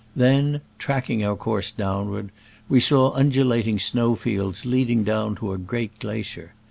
Then (tracking our course downward) we saw undulat ing snow fields leading down to a great glacier.